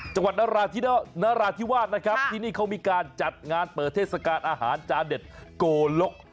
จังหวัดนราธิวาสนะครับที่นี่เขามีการจัดงานเปิดเทศกาลอาหารจานเด็ดโกลก